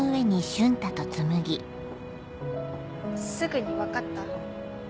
すぐに分かった？